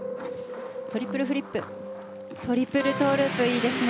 トリプルフリップトリプルトウループいいですね。